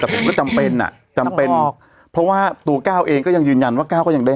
แต่ผมก็จำเป็นอ่ะจำเป็นเพราะว่าตัวก้าวเองก็ยังยืนยันว่าก้าวก็ยังได้